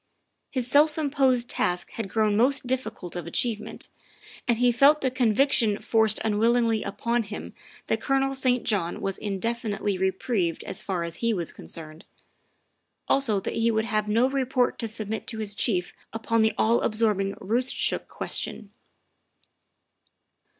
His self imposed task had grown most difficult of achievement, and he felt the conviction forced unwillingly upon him that Colonel St. John was indefinitely reprieved as far as he was concerned; also that he would have no report to submit to his chief upon the all absorbing Roostchook question.